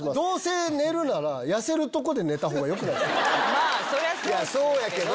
まぁそりゃそうですけど。